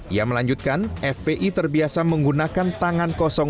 ia melanjutkan fpi terbiasa menggunakan tangan kosong